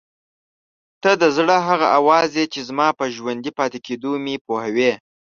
ته د زړه هغه اواز یې چې زما په ژوندي پاتې کېدو مې پوهوي.